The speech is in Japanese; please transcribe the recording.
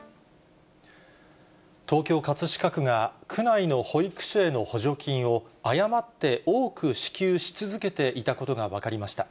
東京・葛飾区が区内の保育所への補助金を、誤って多く支給し続けていたことが分かりました。